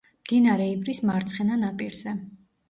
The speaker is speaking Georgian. მდინარე ივრის მარცხენა ნაპირზე.